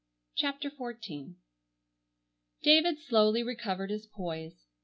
CHAPTER XIV David slowly recovered his poise.